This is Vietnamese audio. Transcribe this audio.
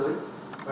để tiếp cận